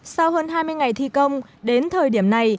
sau hơn hai mươi ngày thi công đến thời điểm này